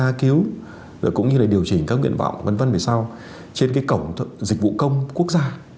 giáo cứu rồi cũng như là điều chỉnh các nguyện vọng vân vân về sau trên cái cổng dịch vụ công quốc gia